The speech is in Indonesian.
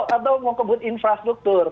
atau mau kebut infrastruktur